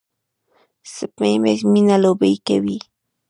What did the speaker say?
سپی مې په مینه لوبې کوي.